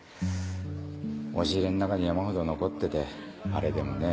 押し入れん中に山ほど残っててあれでもねえ